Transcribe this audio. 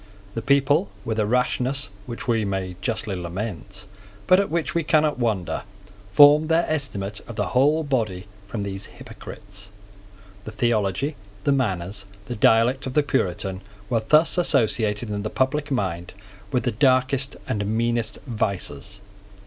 The people, with a rashness which we may justly lament, but at which we cannot wonder, formed their estimate of the whole body from these hypocrites. The theology, the manners, the dialect of the Puritan were thus associated in the public mind with the darkest and meanest vices.